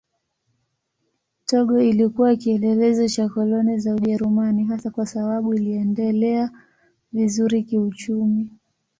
Togo ilikuwa kielelezo cha koloni za Ujerumani hasa kwa sababu iliendelea vizuri kiuchumi.